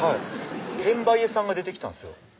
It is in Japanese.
転売絵さんが出てきたんですよ